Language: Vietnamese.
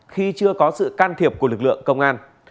khi chưa có sự can thiệp của lực lượng công an